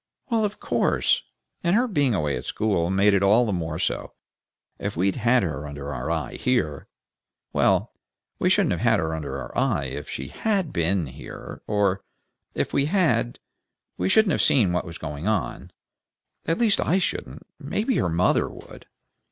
"Well, of course! And her being away at school made it all the more so. If we'd had her under our eye, here Well, we shouldn't have had her under our eye if she had BEEN here; or if we had, we shouldn't have seen what was going on; at least I shouldn't; maybe her mother would.